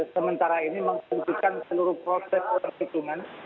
sementara ini menghentikan seluruh proses perhitungan